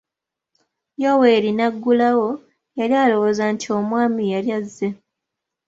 Yoweeri n'aggulawo; yali alowooza nti omwami yali azze.